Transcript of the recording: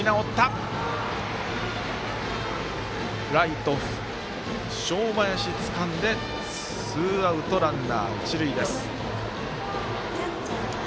ライト、正林つかんでツーアウト、ランナー、一塁。